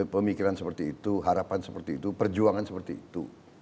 pemikiran seperti itu harapan seperti itu perjuangan seperti itu